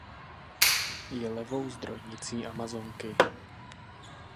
Je levou zdrojnicí Amazonky.